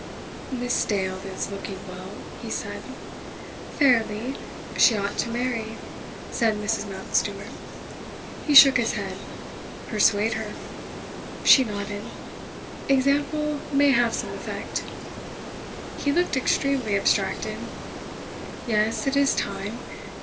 "Miss Dale is looking well," he said. "Fairly: she ought to marry," said Mrs. Mountstuart. He shook his head. "Persuade her." She nodded. "Example may have some effect." He looked extremely abstracted. "Yes, it is time.